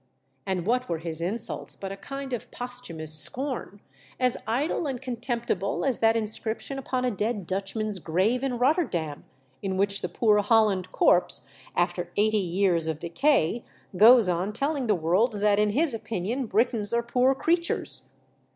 And what were his insults but a kind of posthumous scorn, as idle and contemptible as that in scription upon a dead Dutchman's grave in Rotterdam, in which the poor Holland corpse, after eighty years of decay, goes on telling the world that in his opinion Britons are poor creatures